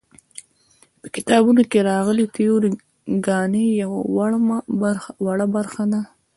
په کتابونو کې راغلې تیوري ګانې یوه وړه برخه ده.